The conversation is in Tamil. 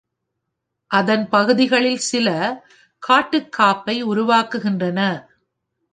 அதன் பகுதிகளில் சில, காட்டுக் காப்பை உருவாக்குகின்றன.